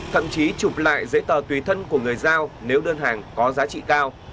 thậm chí chụp lại giấy tờ tùy thân của người giao nếu đơn hàng có giá trị cao